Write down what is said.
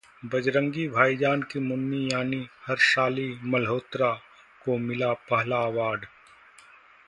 'बजरंगी भाईजान' की मुन्नी यानी हर्षाली मल्होत्रा को मिला पहला अवॉर्ड